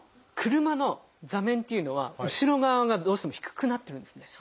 車の座面っていうのは後ろ側がどうしても低くなってるんですね。